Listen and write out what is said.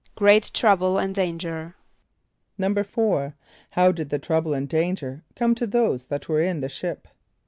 =Great trouble and danger.= =4.= How did the trouble and danger come to those that were in the ship?